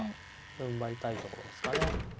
ふんばりたいところですかね。